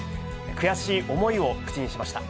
悔しい思いを口にしました。